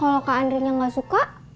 kalau kak andri nya nggak suka